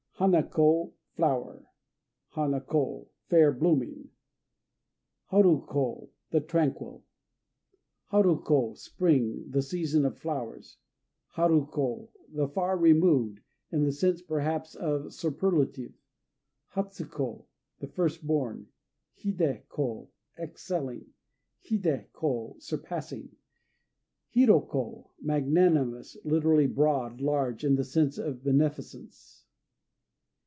Hana ko "Flower." Hana ko "Fair Blooming." Haru ko "The Tranquil." Haru ko "Spring," the season of flowers. Haru ko "The Far Removed," in the sense, perhaps, of superlative. Hatsu ko "The First born." Hidé ko "Excelling." Hidé ko "Surpassing." Hiro ko "Magnanimous," literally, "broad," "large," in the sense of beneficence.